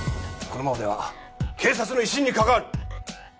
このままでは警察の威信に関わる。